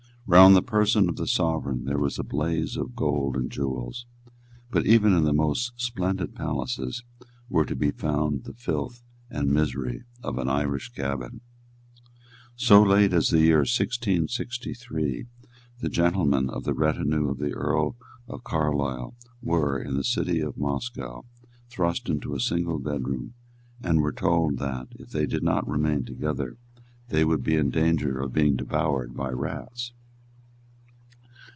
Round the person of the Sovereign there was a blaze of gold and jewels; but even in his most splendid palaces were to be found the filth and misery of an Irish cabin. So late as the year 1663 the gentlemen of the retinue of the Earl of Carlisle were, in the city of Moscow, thrust into a single bedroom, and were told that, if they did not remain together, they would be in danger of being devoured by rats.